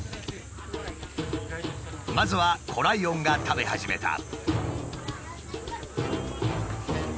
まずは子ライオンが食べ始めた。